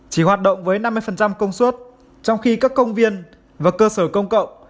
chỉ hoạt động với năm mươi công suất trong khi các công viên và cơ sở công cộng